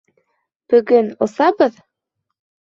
— Бөгөн осабыҙ?!